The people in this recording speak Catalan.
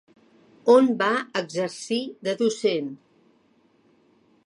On va exercir de docent?